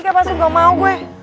gapasal gak mau gue